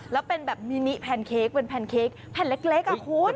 แล้วเป็นแบบมินิแพนเค้กเป็นแพนเค้กแผ่นเล็กอ่ะคุณ